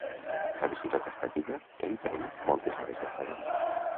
La bicicleta estàtica em pren moltes hores de faena.